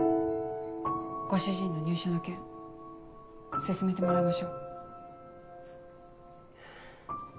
ご主人の入所の件進めてもらいましょう。